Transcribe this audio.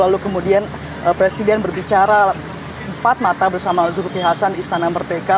lalu kemudian presiden berbicara empat mata bersama zulkifli hasan di istana merdeka